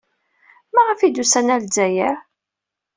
Maɣef ay d-usan ɣer Lezzayer?